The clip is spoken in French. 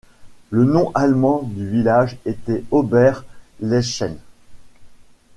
Le nom allemand du village était Ober Leschen.